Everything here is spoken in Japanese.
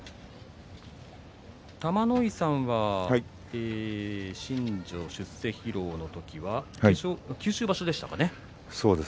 玉ノ井さんは新序出世披露の時は九州場所でしたか？